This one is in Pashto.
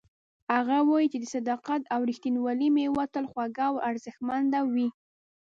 هغه وایي چې د صداقت او ریښتینولۍ میوه تل خوږه او ارزښتمنه وي